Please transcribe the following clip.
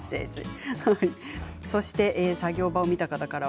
そして作業場を見た方から。